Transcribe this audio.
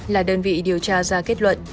là đơn vị điều tra ra kết luận